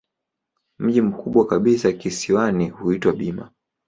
Mji mkubwa kabisa kisiwani huitwa Bima.